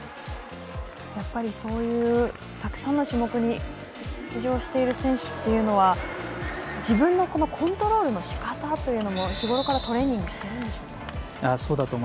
そういうたくさんの種目に出場している選手というのは自分のコントロールのしかたも日ごろからトレーニングをしているんでしょうか。